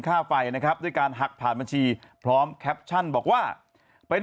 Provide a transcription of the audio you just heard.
ค่าไฟนะครับด้วยการหักผ่านบัญชีพร้อมแคปชั่นบอกว่าไป